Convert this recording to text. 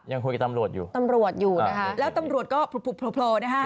ยังคุยกับตำรวจอยู่ตำรวจอยู่นะคะแล้วตำรวจก็โผล่นะฮะ